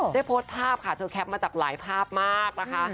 ได้โพสต์ภาพค่ะเธอแคปมาจากหลายภาพมากนะคะ